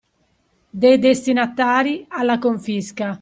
Dei destinatari alla confisca